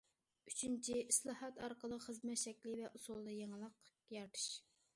ئۈچىنچى، ئىسلاھات ئارقىلىق خىزمەت شەكلى ۋە ئۇسۇلىدا يېڭىلىق يارىتىش.